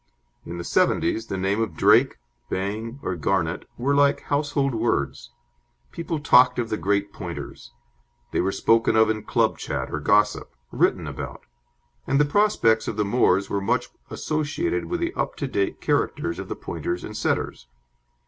In the 'seventies the name of Drake, Bang, or Garnet were like household words. People talked of the great Pointers. They were spoken of in club chat or gossip; written about; and the prospects of the moors were much associated with the up to date characters of the Pointers and Setters.